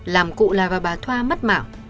làm cụ là bà thoa mất mạo